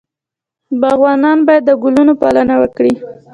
باغوان باید د ګلونو پالنه وکړي.